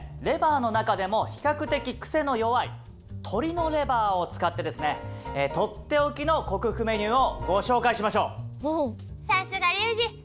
レバーの中でも比較的クセの弱い鶏のレバーを使ってですねとっておきの克服メニューをご紹介しましょう！